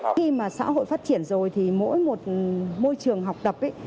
khi mà xã hội phát triển rồi thì mỗi một môi trường học tập ấy